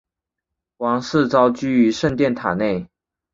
王室遭拘于圣殿塔内。